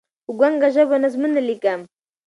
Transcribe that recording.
په ګونګه ژبه نظمونه لیکم